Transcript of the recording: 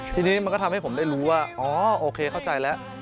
ทีนี้มันก็ทำให้ผมได้รู้ว่าอ๋อโอเคเข้าใจแล้ว